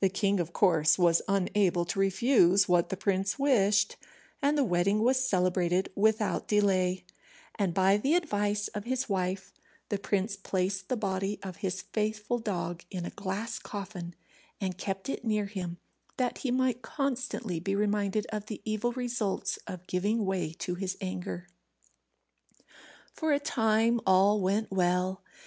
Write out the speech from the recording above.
The king, of course, was unable to refuse what the prince wished, and the wedding was celebrated without delay; and by the advice of his wife the prince placed the body of his faithful dog in a glass coffin, and kept it near him, that he might constantly be reminded of the evil results of giving way to his anger. For a time all went well.